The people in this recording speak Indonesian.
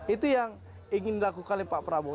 itu yang ingin dilakukan oleh pak prabowo